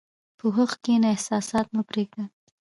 په هوښ کښېنه، احساسات مه پرېږده.